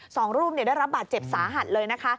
สองรูปได้รับบาดเจ็บสาหัสเลยนะคะ